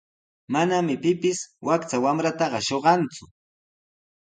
Manami pipis wakcha wamrataqa shuqanku.